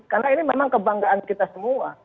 karena ini memang kebanggaan kita semua